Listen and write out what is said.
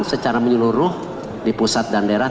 secara menyeluruh di pusat dan daerah